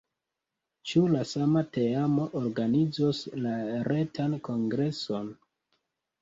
Ĉu la sama teamo organizos la retan kongreson?